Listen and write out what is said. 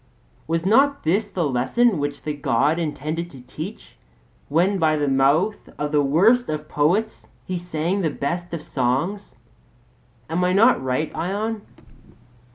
Was not this the lesson which the God intended to teach when by the mouth of the worst of poets he sang the best of songs? Am I not right, Ion?